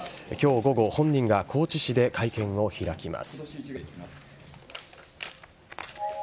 今日午後本人が高知市で会見を開きます。